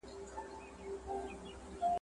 • چي سر نه وي گودر نه وي.